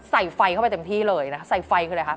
ใส่ไฟเข้าไปเต็มที่เลยนะคะใส่ไฟเลยค่ะ